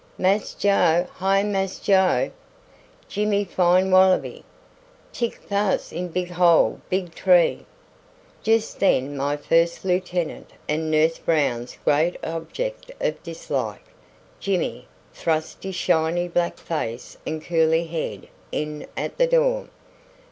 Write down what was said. "Mass Joe! hi Mass Joe! Jimmy fine wallaby. Tick fass in big hole big tree." Just then my first lieutenant and Nurse Brown's great object of dislike, Jimmy, thrust his shiny black face and curly head in at the door.